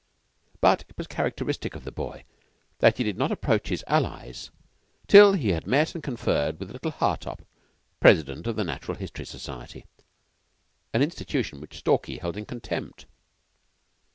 But it was characteristic of the boy that he did not approach his allies till he had met and conferred with little Hartopp, President of the Natural History Society, an institution which Stalky held in contempt.